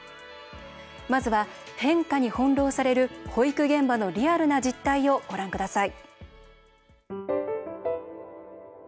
まずは変化に翻弄される保育現場のリアルな実態をご覧ください。